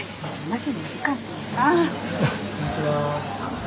ああ。